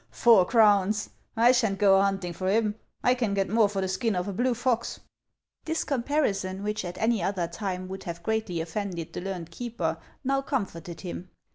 " Four crowns ! I sha' n't go a hunting for him. I can get more for the skin of a blue fox." This comparison, which at any other time would have greatly offended the learned keeper, now comforted him.